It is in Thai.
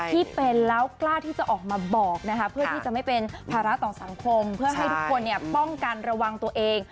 ที่เป็นแล้วกล้าที่จะออกมาบอกนะคะเพื่อที่จะไม่เป็นภาระต่อสังคมเพื่อให้ทุกคนป้องกันระวังตัวเอง